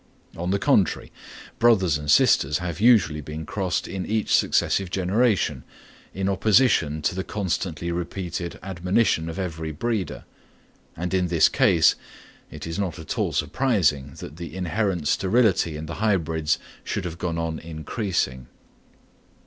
On the contrary, brothers and sisters have usually been crossed in each successive generation, in opposition to the constantly repeated admonition of every breeder. And in this case, it is not at all surprising that the inherent sterility in the hybrids should have gone on increasing.